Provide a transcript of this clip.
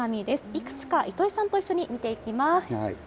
いくつか、糸井さんと一緒に見ていきます。